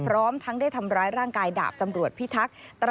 พร้อมทั้งได้ทำร้ายร่างกายดาบตำรวจพิทักษ์